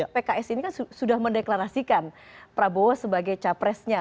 pks ini kan sudah mendeklarasikan prabowo sebagai capresnya